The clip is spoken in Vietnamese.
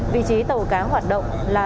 vị trí tàu cá hoạt động là